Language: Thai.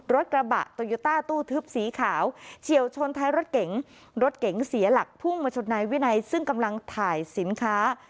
รถกระบะโตโยต้าตู้ทึบสีขาวเฉียวชนท้ายรถเก๋งรถเก๋งเสียหลักพุ่งมาชนนายวินัยซึ่งกำลังถ่ายสินค้า